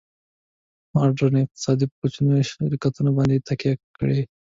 ماډرن اقتصاد په کوچنیو شرکتونو باندې تکیه کوي